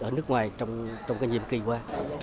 ở nước ngoài trong cái nhiệm kỳ qua